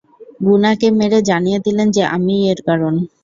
গুনাকে মেরে জানিয়ে দিলেন যে আমিই এর কারণ।